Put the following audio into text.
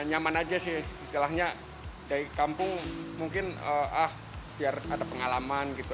nyaman aja sih istilahnya dari kampung mungkin ah biar ada pengalaman gitu